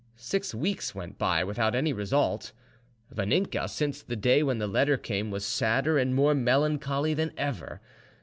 Six weeks went by without any result. Vaninka, since the day when the letter came, was sadder and more melancholy than ever.